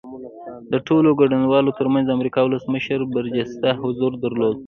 د ټولو ګډونوالو ترمنځ د امریکا ولسمشر برجسته حضور درلود